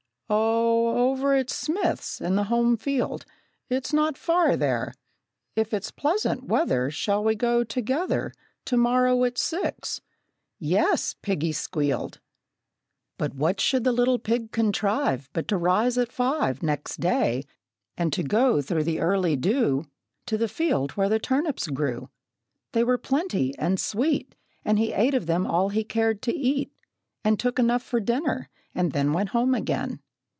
"O, over at Smith's, in his home field It's not far there. If it's pleasant weather Shall we go together To morrow at six?" "Yes," piggie squealed. But what should the little pig contrive But to rise at five Next day, and to go through the early dew To the field where the turnips grew; They were plenty and sweet, And he ate of them all he cared to eat, And took enough for his dinner, and then Went home again.